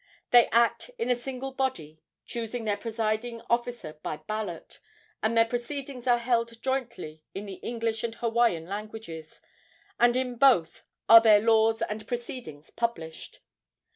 They act in a single body, choosing their presiding officer by ballot, and their proceedings are held jointly in the English and Hawaiian languages, and in both are their laws and proceedings published.